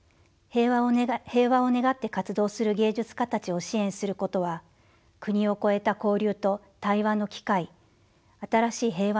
平和を願って活動する芸術家たちを支援することは国を越えた交流と対話の機会新しい平和の基盤の形成につながります。